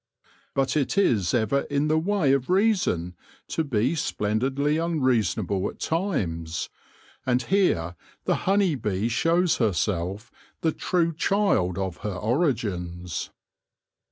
But it is ever in the way of reason to be splendidly unreason able at times, and here the honey bee shows herself the true child of her origins.